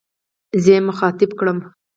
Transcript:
زه يې مخاطب کړم.